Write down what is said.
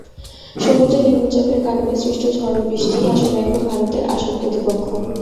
সমুদ্রে নিম্নচাপের কারণে সৃষ্ট ঝোড়ো বৃষ্টিই আসলে এখন ভারতের আসল প্রতিপক্ষ।